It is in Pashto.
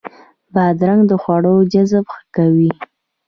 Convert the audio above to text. بادرنګ د خوړو جذب ښه کوي.